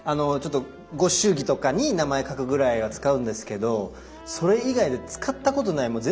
ちょっとご祝儀とかに名前書くぐらいは使うんですけどそれ以外で使ったことない。